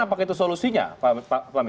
apakah itu solusinya pak